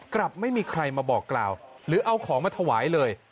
กลับไม่มีใครมาบอกกล่าวหรือเอาของมาถวายเลย